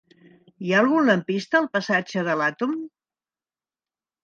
Hi ha algun lampista al passatge de l'Àtom?